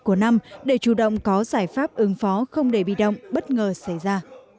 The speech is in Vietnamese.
của năm để chủ động có giải pháp ứng phó không để bị động bất ngờ xảy ra